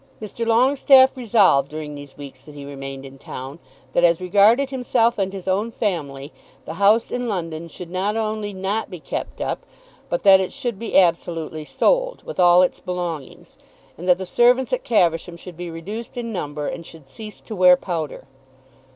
Mr. Longestaffe resolved during these weeks that he remained in town that, as regarded himself and his own family, the house in London should not only not be kept up, but that it should be absolutely sold, with all its belongings, and that the servants at Caversham should be reduced in number, and should cease to wear powder.